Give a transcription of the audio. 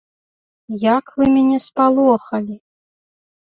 Як вы мяне спалохалі.